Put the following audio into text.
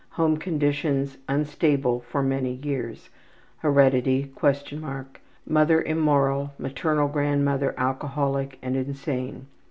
Home conditions: unstable for many years. Heredity (?): mother immoral, maternal grandmother alcoholic and insane.